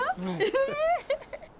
え？